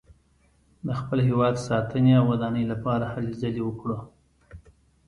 د خپل هېواد ساتنې او ودانۍ لپاره هلې ځلې وکړو.